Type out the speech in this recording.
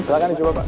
silahkan coba pak